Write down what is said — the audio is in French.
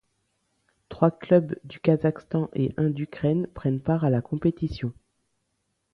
Trois clubs du Kazakhstan et un d'Ukraine prennent part à la compétition.